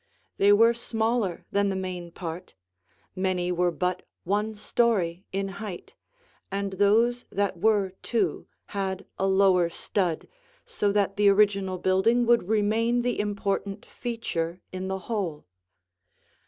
They were smaller than the main part; many were but one story in height, and those that were two had a lower stud, so that the original building would remain the important feature in the whole.